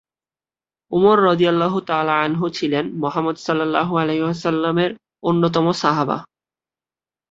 উমর ছিলেন মুহাম্মদ এর অন্যতম সাহাবা।